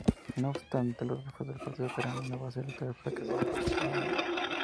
No obstante, los esfuerzos del partido para crear una base electoral fracasaron repetidamente.